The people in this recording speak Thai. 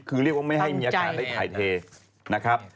คือเรียกว่าไม่ให้มีอากาศได้ถ่ายเทนะครับ